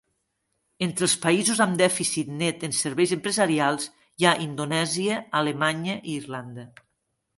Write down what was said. Entre els països amb dèficit net en serveis empresarials hi ha Indonèsia, Alemanya i Irlanda.